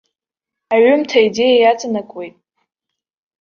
Аҩымҭа аидеиа иаҵанакуеит.